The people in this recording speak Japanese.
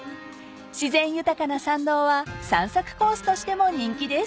［自然豊かな参道は散策コースとしても人気です］